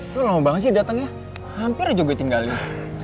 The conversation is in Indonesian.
lu lama banget sih datang ya hampir aja gue tinggalin